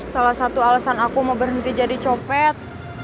salah satu alasan aku mau berhenti jadi copet